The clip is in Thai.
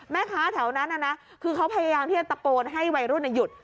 แม่ค้าแถวนั้นคือเขาพยายามที่จะตะโกนให้วัยรุ่นหยุด